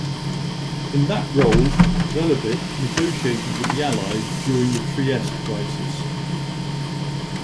In that role, Velebit negotiated with the Allies during the Trieste Crisis.